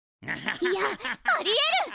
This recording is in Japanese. いやありえる！